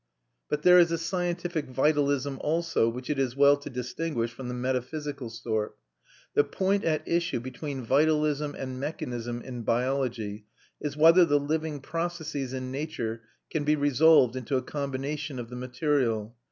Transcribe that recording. But there is a scientific vitalism also, which it is well to distinguish from the metaphysical sort. The point at issue between vitalism and mechanism in biology is whether the living processes in nature can be resolved into a combination of the material.